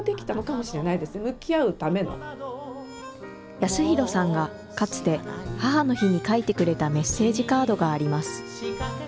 祥大さんがかつて母の日に書いてくれたメッセージカードがあります。